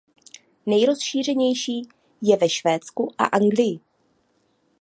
Nejrozšířenější je ve Švédsku a Anglii.